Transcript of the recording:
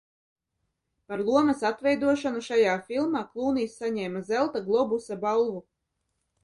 Par lomas atveidošanu šajā filmā Klūnijs saņēma Zelta globusa balvu.